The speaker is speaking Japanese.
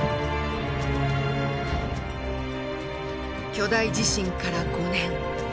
巨大地震から５年。